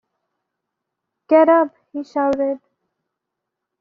'Get up!’ he shouted.